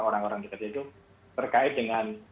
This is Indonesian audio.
orang orang di kerja itu terkait dengan